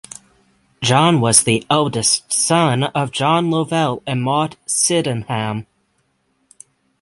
John was the eldest son of John Lovel and Maud Sydenham.